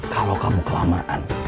kalau kamu kelamaan